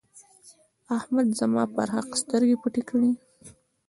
احمد زما پر حق سترګې پټې کړې.